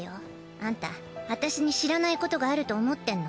アンタ私に知らないことがあると思ってんの？